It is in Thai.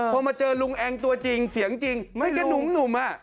พอมาเจอลุงแองตัวจริงเสียงจริงมันก็หนุ่มอ่ะ